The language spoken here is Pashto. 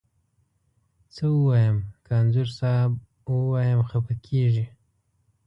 څه ووایم، که انځور صاحب ووایم خپه کږې.